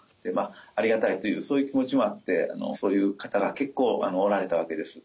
ありがたいっていうそういう気持ちもあってそういう方が結構おられたわけです。